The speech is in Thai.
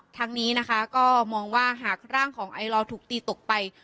ทั้งนี้นะคะก็มองว่าหากร่างของไอลอถูกตีตกไป